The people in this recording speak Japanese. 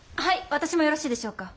私もよろしいでしょうか。